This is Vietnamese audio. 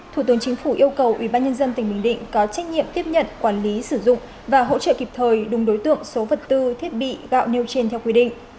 thủ tướng chính phủ yêu cầu ubnd tỉnh bình định có trách nhiệm tiếp nhận quản lý sử dụng và hỗ trợ kịp thời đúng đối tượng số vật tư thiết bị gạo nêu trên theo quy định